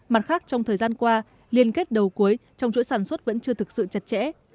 mặt khác trong thời gian qua liên kết đầu cuối trong chuỗi sản xuất vẫn chưa thực sự chặt chẽ